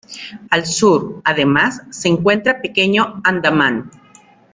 Al sur, además, se encuentra Pequeño Andamán.